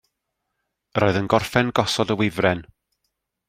Yr oedd yn gorffen gosod y wifren.